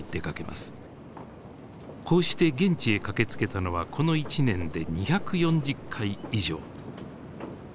こうして現地へ駆けつけたのはこの１年で２４０回以上。